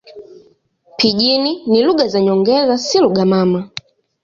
Pijini ni lugha za nyongeza, si lugha mama.